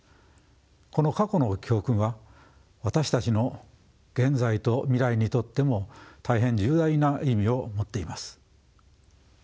この過去の教訓は私たちの現在と未来にとっても大変重大な意味を持っています。